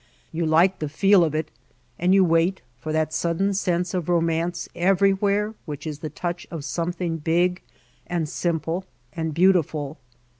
You like the feel of it, and you wait for that sudden sense of romance everywhere which is the touch of some thing big and simple and beautiful.